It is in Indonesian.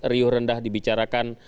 riuh rendah dibicarakan